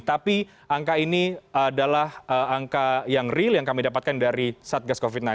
tapi angka ini adalah angka yang real yang kami dapatkan dari satgas covid sembilan belas